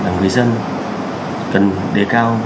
người dân cần đề cao